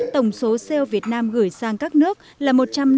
tổng số co việt nam gửi sang các nước là một trăm năm mươi ba tám trăm bảy mươi hai